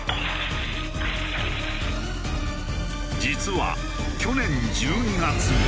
実は去年１２月にも。